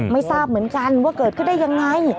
ไม่ทราบเหมือนกันว่าเกิดขึ้นได้ยังไง